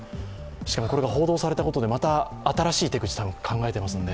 これが報道されたことによってまた新しい手口を多分考えていますんで。